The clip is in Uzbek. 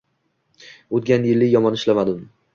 O`tgan yili yomon ishlamadim